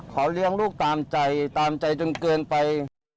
เลี้ยงลูกตามใจตามใจจนเกินไป